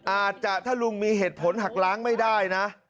อาจจะถ้าลุงมีเหตุผลหักล้างไม่ได้นะ